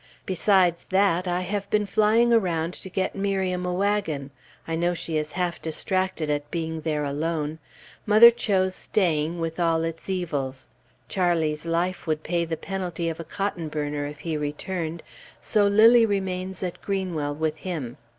Besides that, I have been flying around to get Miriam a wagon. I know she is half distracted at being there alone. Mother chose staying with all its evils. Charlie's life would pay the penalty of a cotton burner if he returned, so Lilly remains at Greenwell with him.